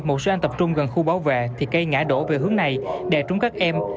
một số anh tập trung gần khu bảo vệ thì cây ngã đổ về hướng này để trúng các em